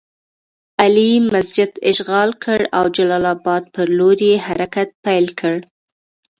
علي مسجد اشغال کړ او جلال اباد پر لور یې حرکت پیل کړ.